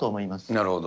なるほど。